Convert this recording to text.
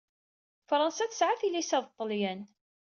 Fṛansa tesɛa tilisa ed Ṭṭalyan.